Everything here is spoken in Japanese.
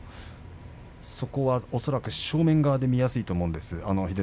そこは恐らく正面側で見やすいと思うんです。